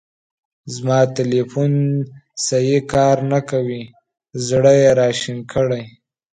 زما تیلیفون سیی کار نه کوی. زړه یې را شین کړی.